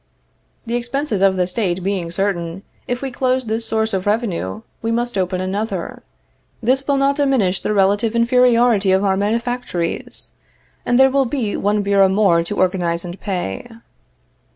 The expenses of the State being certain, if we close this source of revenue, we must open another; this will not diminish the relative inferiority of our manufactories, and there will be one bureau more to organize and pay.